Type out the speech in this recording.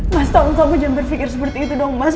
mas tau kamu jangan berpikir seperti itu dong mas